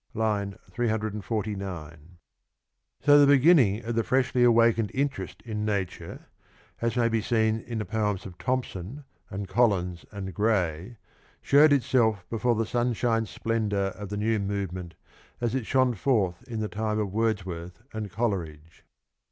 (I. 349) So the beginning of the freshly awakened interest in Nature, as it may be seen in the poems of Thomson and Collins and Gray, showed itself before the sunshine splendour of the new movement as it shone forth in the time of Wordsworth and Coleridge.